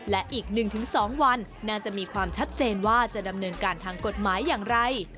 และอีก๑๒วันน่าจะมีความชัดเจนว่าจะดำเนินการทางกฎหมายอย่างไร